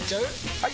・はい！